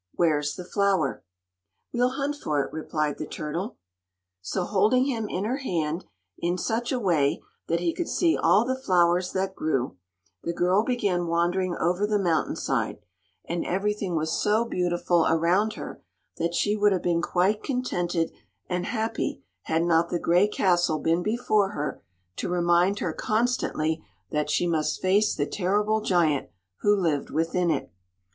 "Where's the flower?" "We'll hunt for it," replied the turtle. So holding him in her hand in such a way that he could see all the flowers that grew, the girl began wandering over the mountain side, and everything was so beautiful around her that she would have been quite contented and happy had not the gray castle been before her to remind her constantly that she must face the terrible giant who lived within it.